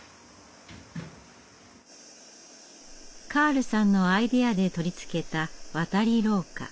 カールさんのアイデアで取り付けた渡り廊下。